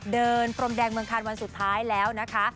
พรมแดงเมืองคานวันสุดท้ายแล้วนะคะ